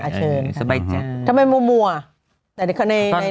อ่าเชิญสบายจ้าทำไมมั่วอ่ะในไอจีก็มั่ว